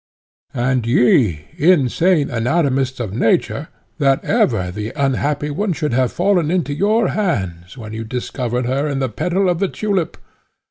"And ye, insane anatomists of nature, that ever the unhappy one should have fallen into your hands, when you discovered her in the petal of a tulip!